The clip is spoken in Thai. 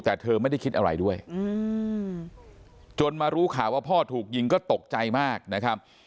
แต่เธอไม่ได้คิดอะไรด้วยจนมารู้ข่าวว่าพ่อถูกยิงก็ตกใจมากนะครับ